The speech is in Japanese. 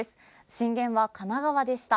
震源は神奈川でした。